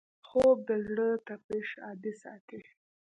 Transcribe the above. خوب د زړه تپش عادي ساتي